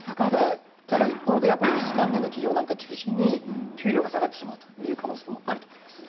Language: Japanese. ただ輸出関連の企業を中心に給料が下がってしまうという可能性もあると思います。